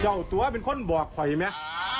เจ้าตัวเป็นคนบอกคอยไหม